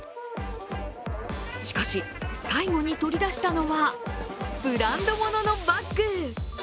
しかし、最後に取り出したのはブランドもののバッグ。